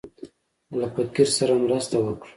له فقير سره مرسته وکړه.